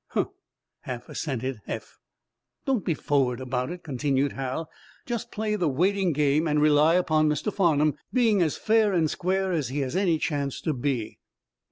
"Huh!" half assented Eph. "Don't be forward about it," continued Hal. "Just play the waiting game and rely upon Mr. Farnum being as fair and square as he has any chance to be."